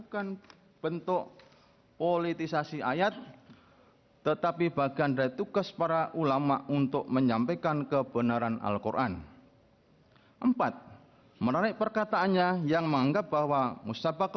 kepulauan seribu kepulauan seribu